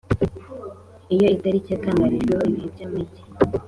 Iyo ku itariki yatangarijweho ibihe by’amage